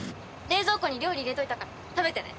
冷蔵庫に料理入れておいたから食べてね。